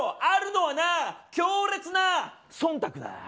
あるのはな強烈なそんたくだ。